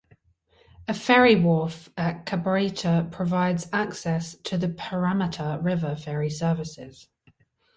A ferry wharf at Cabarita provides access to the Parramatta River ferry services.